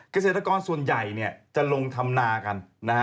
เกษตรกรส่วนใหญ่จะลงทำนากันนะฮะ